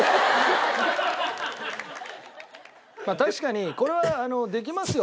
まあ確かにこれはできますよ